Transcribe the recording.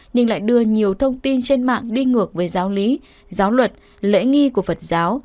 nhưng lại đưa nhiều thông tin trên mạng đi ngược với giáo lý giáo luật lễ nghi của phật giáo